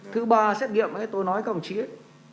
thứ ba xét nghiệm ấy tôi nói các ông chị ấy